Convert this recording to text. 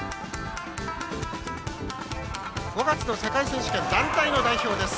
５月の世界選手権団体の代表です。